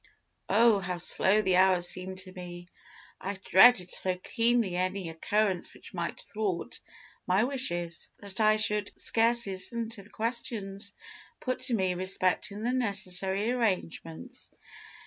Oh, how slow the hours seemed to me! I dreaded so keenly any occurrence which might thwart my wishes, that I could scarcely listen to the questions put to me respecting the necessary arrangements.